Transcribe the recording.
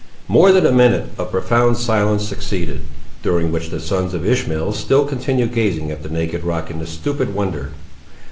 More than a minute of profound silence succeeded, during which the sons of Ishmael still continued gazing at the naked rock in stupid wonder.